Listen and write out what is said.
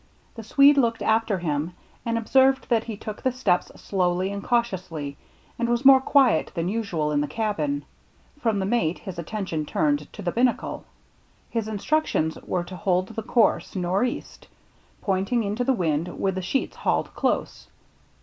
The Swede looked after him and observed that he took the steps slowly and cautiously, and was more quiet than usual in the cabin. From the mate his attention turned to the binnacle. His instructions were to hold the course, nor'east, pointing into the wind with the sheets hauled close.